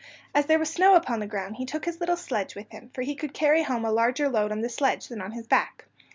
As there was snow upon the ground he took his little sledge with him, for he could carry home a larger load on the sledge than on his back.